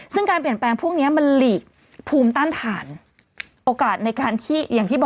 ซึ่งการเปลี่ยนแปลงพวกนี้มันหลีกภูมิต้านฐานโอกาสในการที่อย่างที่บอก